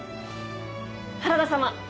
原田様